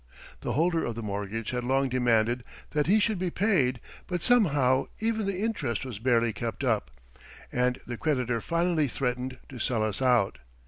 The holder of the mortgage had long demanded that he should be paid, but somehow even the interest was barely kept up, and the creditor finally threatened to sell us out.